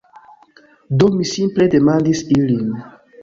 Do, mi simple demandis ilin